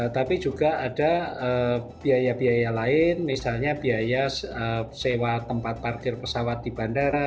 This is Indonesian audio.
tapi juga ada biaya biaya lain misalnya biaya sewa tempat parkir pesawat di bandara